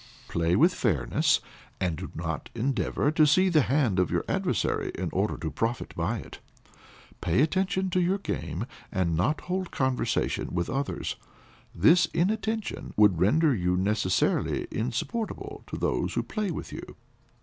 Play with fairness, and do not endeavor to see the hand of your adversary in order to profit by it; pay attention to your game, and not hold conversation with others. This inattention would render you necessarily insupportable to those who play with you.